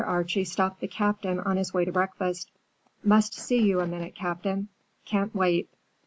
Archie stopped the Captain on his way to breakfast. "Must see you a minute, Captain. Can't wait.